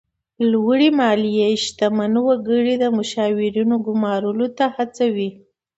لوړې مالیې شتمن وګړي د مشاورینو ګمارلو ته هڅوي.